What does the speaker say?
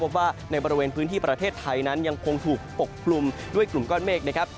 ว่าในบริเวณพื้นที่ประเทศไทยนั้นยังคงถูกปกกลุ่มด้วยกลุ่มก้อนเมฆนะครับ